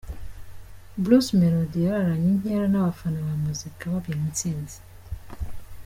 Bruce Melodie yararanye inkera n'abafana ba muzika babyina intsinzi.